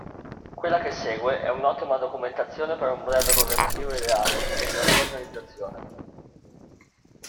Quella che segue è un'ottima documentazione per un modello governativo ideale e della sua organizzazione.